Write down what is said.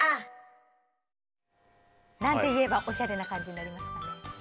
何て言えばおしゃれな感じになりますかね。